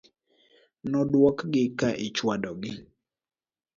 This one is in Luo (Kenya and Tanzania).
Nodwok gi ka ichwado gi .